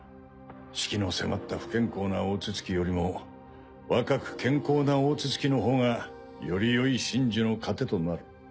死期の迫った不健康な大筒木よりも若く健康な大筒木のほうがよりよい神樹の糧となる。